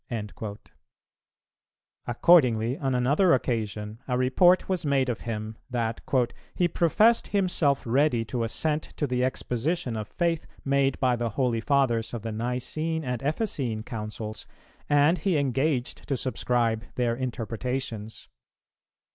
'"[303:1] Accordingly, on another occasion, a report was made of him, that "he professed himself ready to assent to the Exposition of Faith made by the Holy Fathers of the Nicene and Ephesine Councils and he engaged to subscribe their interpretations.